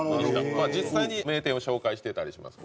実際に名店を紹介してたりします。